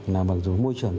là mặc dù môi trường